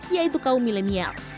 yaitu kaum milenial